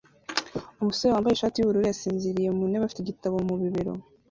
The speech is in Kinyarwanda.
Umusore wambaye ishati yubururu yasinziriye mu ntebe afite igitabo mu bibero